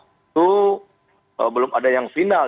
itu belum ada yang final